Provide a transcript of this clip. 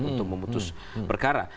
untuk memutus perkara